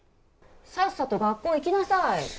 さっさと学校行きなさい。